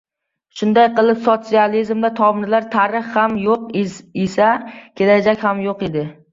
Shunday qilib, sotsializmda tomirlar-tarix ham yo‘q esa, kelajak ham yo‘q edi.